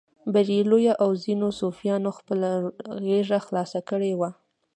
بریلویه او ځینو صوفیانو خپله غېږه خلاصه کړې وه.